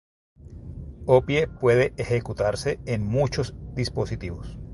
Opie puede ejecutarse en muchos dispositivos.